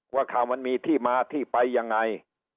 ว่าข่าวมันมีที่มาที่ไปยังไง